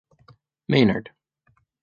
Maynard.